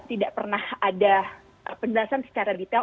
tidak pernah ada penjelasan secara detail